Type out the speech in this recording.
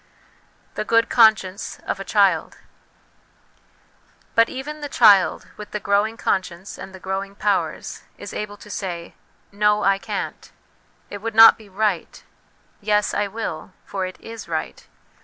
The Good Conscience of a Child. But even the child, with the growing conscience and the growing powers, is able to say, ' No, I can't ; it would not be right' ;' Yes, I will ; for it is right.'